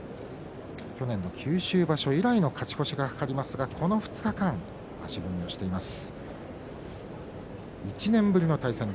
去年の九州場所以来の勝ち越しが懸かりますが、この２日間足踏みをしています。